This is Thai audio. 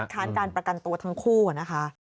ค้านการประกันตัวทั้งคู่นะคะ